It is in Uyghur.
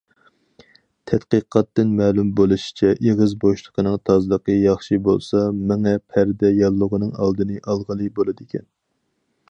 تەتقىقاتتىن مەلۇم بولۇشىچە، ئېغىز بوشلۇقىنىڭ تازىلىقى ياخشى بولسا مېڭە پەردە ياللۇغىنىڭ ئالدىنى ئالغىلى بولىدىكەن.